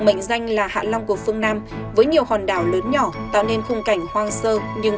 mệnh danh là hạ long của phương nam với nhiều hòn đảo lớn nhỏ tạo nên khung cảnh hoang sơ nhưng